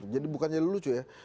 jadi bukan jadi lucu ya